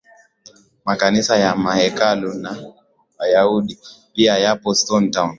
Makanisa na mahekalu ya wahindu pia yapo stone town